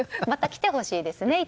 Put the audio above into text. また来てほしいですね。